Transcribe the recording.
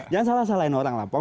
jangan salah salahin orang lampau